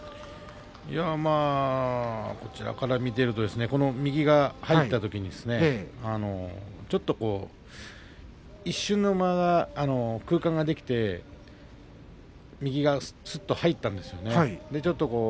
まあ、こちらから見ていると右が入ったときにちょっと一瞬の間が空間ができて右が、すっと入ったんですよね。